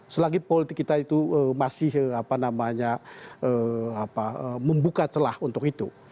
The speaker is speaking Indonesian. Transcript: selagi politik kita itu masih apa namanya apa membuka celah untuk itu